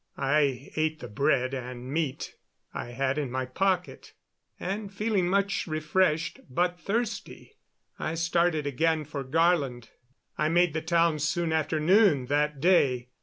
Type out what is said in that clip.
I ate the bread and meat I had in my pocket, and, feeling much refreshed, but thirsty, I started again for Garland. I made the town soon after noon that day.